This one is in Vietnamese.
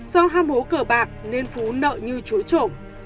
do ham hố cờ bạc nên phú nợ như chuối trổm